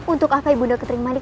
untuk apa ibu ndang ting mani